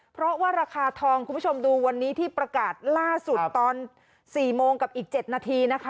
เพราะว่าราคาทองคุณผู้ชมดูวันนี้ที่ประกาศล่าสุดตอน๔โมงกับอีก๗นาทีนะคะ